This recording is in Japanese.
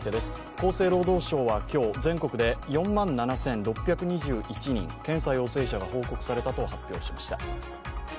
厚生労働省は今日、全国で４万７６２１人、検査陽性者が報告されたと発表しました。